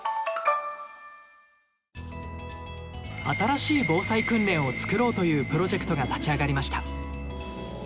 新しい防災訓練を作ろうというプロジェクトが立ち上がりました。